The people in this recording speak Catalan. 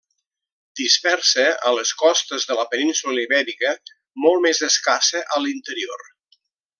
Dispersa a les costes de la península Ibèrica, molt més escassa a l'interior.